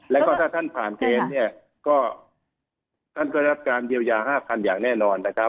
แล้วก็ถ้าท่านผ่านเกณฑ์เนี่ยก็ท่านก็ได้รับการเยียวยา๕๐๐อย่างแน่นอนนะครับ